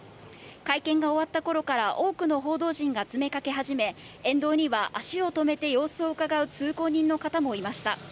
会見が終わったころから、多くの報道陣が詰めかけ始め、沿道には足を止めて様子をうかがう通行人の方もいました。